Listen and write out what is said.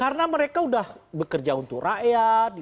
karena mereka udah bekerja untuk rakyat